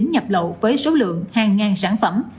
nhập lậu với số lượng hàng ngàn sản phẩm